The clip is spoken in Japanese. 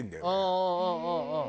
うんうんうんうん。